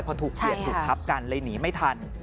พอถูกเบียดถูกทับกันเลยหนีไม่ทัน